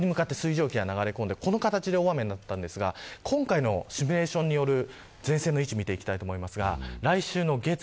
ここに向かって水蒸気が流れ込んで、この形で大雨になりますが今回のシミュレーションによる前線の位置を見ていきたいと思います。